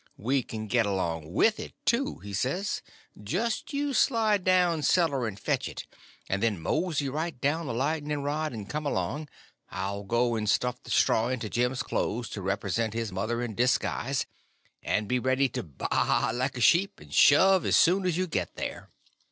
"We can get along with it, too," he says; "just you slide down cellar and fetch it. And then mosey right down the lightning rod and come along. I'll go and stuff the straw into Jim's clothes to represent his mother in disguise, and be ready to ba like a sheep and shove soon as you get there."